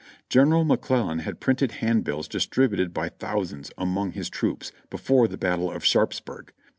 General McClellan had printed handbills distributed by thou sands among his troops, before the Battle of Sharpsburg.